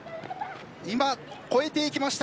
今、越えていきました。